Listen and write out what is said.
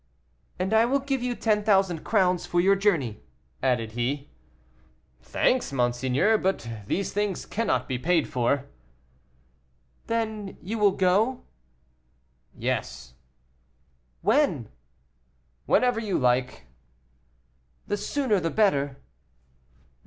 "And I will give you ten thousand crowns for your journey," added he. "Thanks, monseigneur, but these things cannot be paid for." "Then you will go?" "Yes." "When?" "Whenever you like." "The sooner the better."